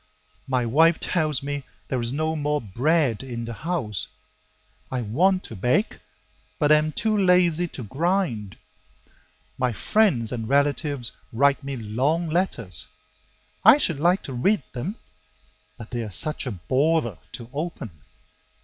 My wife tells me there is no more bread in the house; I want to bake, but am too lazy to grind. My friends and relatives write me long letters; I should like to read them, but they're such a bother to open.